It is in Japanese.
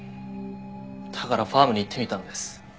だからファームに行ってみたんです。